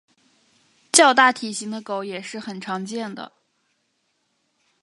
较大体型的狗也是很常见的。